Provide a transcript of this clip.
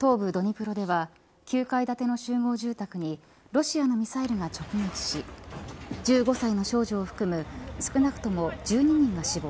東部ドニプロでは９階建ての集合住宅にロシアのミサイルが直撃し１５歳の少女を含む少なくとも１２人が死亡。